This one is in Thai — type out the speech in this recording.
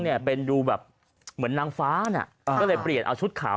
เนี่ยเป็นดูแบบเหมือนนางฟ้าน่ะอ่าก็เลยเปลี่ยนเอาชุดขาว